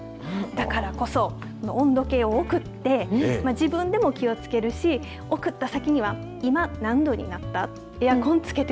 だからこそ温度計を贈って自分でも気をつけるし贈った先には今、何度になった。